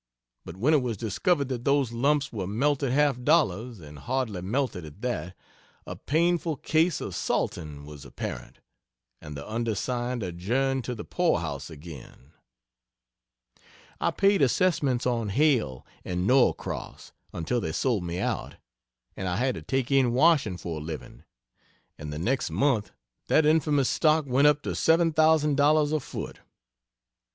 But when it was discovered that those lumps were melted half dollars, and hardly melted at that, a painful case of "salting" was apparent, and the undersigned adjourned to the poorhouse again. I paid assessments on "Hale and Norcross" until they sold me out, and I had to take in washing for a living and the next month that infamous stock went up to $7,000 a foot.